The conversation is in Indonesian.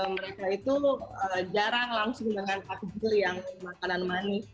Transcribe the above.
mereka itu jarang langsung dengan takjil yang makanan manis